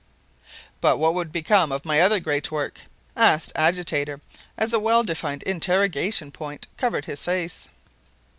"But what would become of my other great work?" asked Agitator, as a well defined interrogation point covered his face.